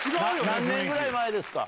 何年ぐらい前ですか？